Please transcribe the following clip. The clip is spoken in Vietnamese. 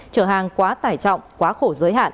trở hàng quá tải trọng quá khô